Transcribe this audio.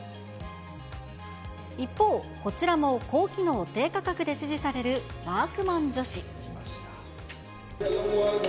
一方、こちらも高機能低価格で支持される、ワークマン女子。